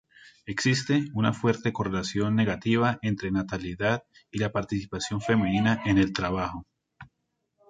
Existe ""una fuerte correlación negativa entre natalidad y la participación femenina en el trabajo"".